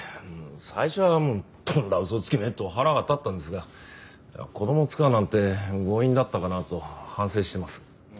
最初はとんだ嘘つきめ！と腹が立ったんですが子供を使うなんて強引だったかなと反省しています。